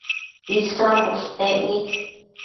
Isan bushtec nid